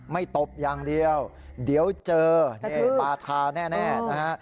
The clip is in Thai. ไม่ตบอย่างเดียวเดี๋ยวเจอปาทาแน่นะฮะ